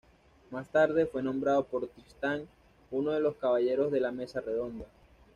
Más tarde fue nombrado por Tristán, uno de los caballeros de la Mesa Redonda.